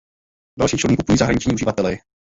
Další čluny kupují zahraniční uživatelé.